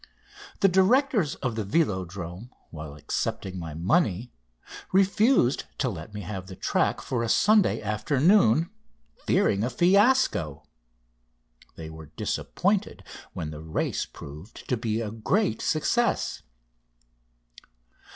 The directors of the Vélodrome, while accepting my money, refused to let me have the track for a Sunday afternoon, fearing a fiasco! They were disappointed when the race proved to be a great success.